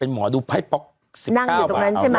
หนังอยู่ตรงนั้นใช่มั้ย